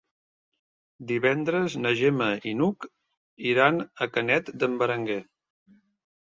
Divendres na Gemma i n'Hug iran a Canet d'en Berenguer.